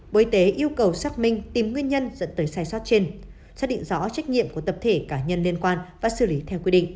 bộ y tế yêu cầu xác minh tìm nguyên nhân dẫn tới sai sót trên xác định rõ trách nhiệm của tập thể cá nhân liên quan và xử lý theo quy định